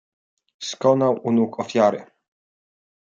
"Skonał u nóg ofiary."